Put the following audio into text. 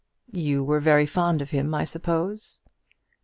"You were very fond of him, I suppose?"